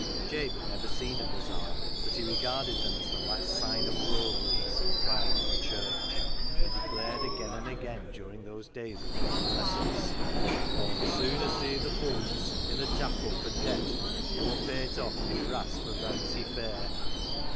Jabe had never seen a bazaar, but he re garded them as the last sign of worldliness and pride in a church, and declared again and again during those days of convalescence —" Aw'd sooner see th' bums [bailiffs] i' th' chapel fur debt nur pay it off wi' brass fro' Vanity Fair."